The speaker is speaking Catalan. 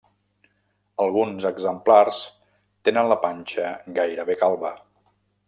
Alguns exemplars tenen la panxa gairebé calba.